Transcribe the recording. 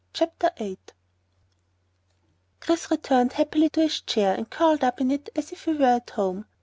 CHAPTER 8 Chris returned happily to his chair and curled up in it as if he were at home.